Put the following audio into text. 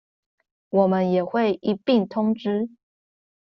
我們也會一併通知